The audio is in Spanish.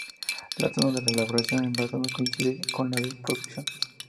La zona de elaboración y envasado coincide con la de producción.